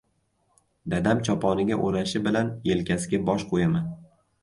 Dadam choponiga o‘rashi bilan yelkasiga bosh qo‘yaman.